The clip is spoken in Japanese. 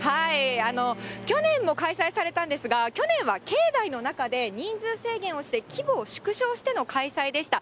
去年も開催されたんですが、去年は境内の中で人数制限をして、規模を縮小しての開催でした。